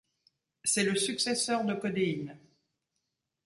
C’est le successeur de Codeine.